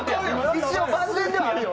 一応万全ではあるよ！